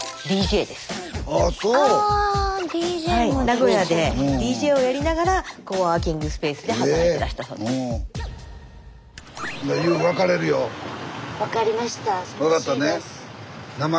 名古屋でＤＪをやりながらコワーキングスペースで働いてらしたそうです。